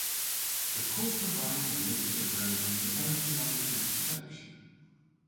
The Court provides a list of remedies available under each section.